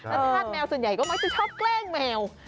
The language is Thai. แล้วธาตุแมวส่วนใหญ่ก็มักจะชอบแกล้งแมว